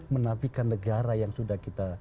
menafikan negara yang sudah kita